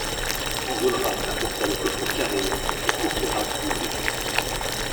Enjolras apporta le coffre carré et Courfeyrac l'ouvrit.